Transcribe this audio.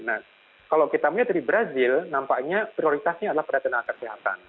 nah kalau kita melihat di brazil nampaknya prioritasnya adalah perhatian akan kesehatan